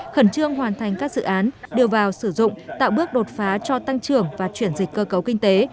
khẩn trương hoàn thành các dự án đưa vào sử dụng tạo bước đột phá cho tăng trưởng và chuyển dịch cơ cấu kinh tế